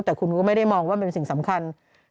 แต่คุณก็ไม่ได้มองว่ามันเป็นสิ่งสำคัญ